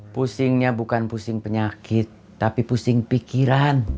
pusingnya bukan pusing penyakit tapi pusing pikiran